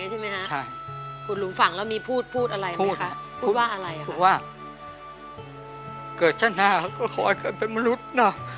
ใช่ค่ะขุดฝังแล้วมีพูดพูดอะไรไหมคะพูดว่าอะไรครับพูดว่าเกิดชะนาก็ขอยกันเป็นมนุษย์น่ะ